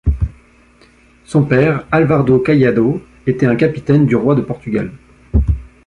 Son père, Álvaro Caiado, était un capitaine du roi de Portugal.